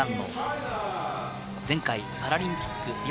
前回パラリンピック・リオ